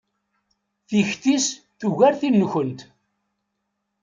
Takti-s tugar tin-nkent.